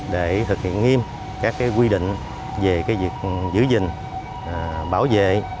để thực hiện nghiêm các quy định về việc giữ gìn bảo vệ